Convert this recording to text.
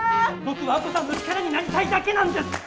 僕は亜子さんの力になりたいだけなんです！